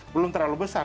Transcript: belum terlalu besar